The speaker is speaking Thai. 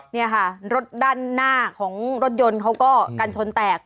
นี่ค่ะรถด้านหน้าของรถยนต์เขาก็กันชนแตก